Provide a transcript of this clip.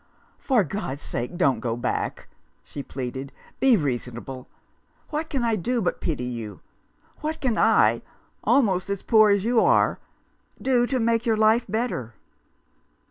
" For God's sake don't go back," she pleaded. " Be reasonable. What can I do but pity you ? What can I — almost as poor as you are — do to make your life better